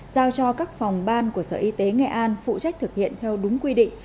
giao cho các phòng ban của sở y tế nghệ an phụ trách thực hiện theo đúng quy định